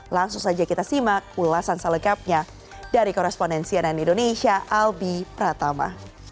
langsung saja kita simak ulasan selengkapnya dari korespondensi ann indonesia albi pratama